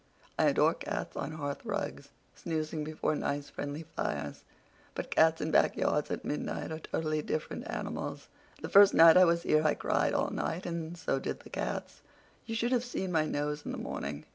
I adore cats on hearth rugs, snoozing before nice, friendly fires, but cats in back yards at midnight are totally different animals. The first night I was here I cried all night, and so did the cats. You should have seen my nose in the morning.